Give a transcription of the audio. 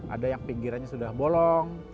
ada yang pinggirannya sudah bolong